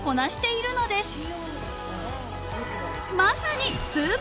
［まさに］